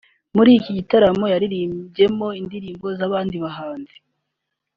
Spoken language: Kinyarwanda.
muri iki gitaramo yaririmbyemo indirimbo z’abandi bahanzi